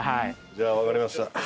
じゃあ分かりました。